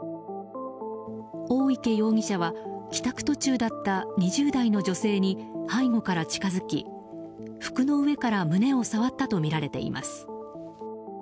大池容疑者は帰宅途中だった２０代の女性に背後から近づき、服の上から胸を触ったとみられています。